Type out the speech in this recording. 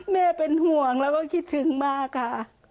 แม่เป็นห่วงแล้วก็คิดถึงมากค่ะ